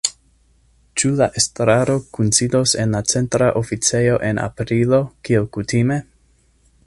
Ĉu la estraro kunsidos en la Centra Oficejo en aprilo, kiel kutime?